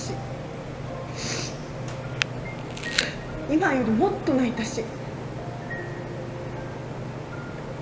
今よりもっと泣いたし。